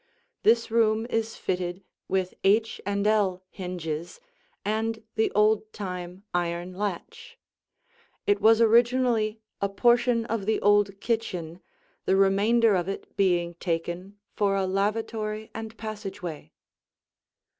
This room is fitted with H and L hinges and the old time iron latch. It was originally a portion of the old kitchen, the remainder of it being taken for a lavatory and passageway.